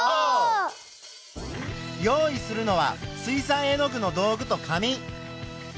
用意するのは水さい絵の具の道具と紙。